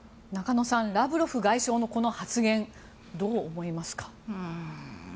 中野さんラブロフ外相のこの発言どう思いますか？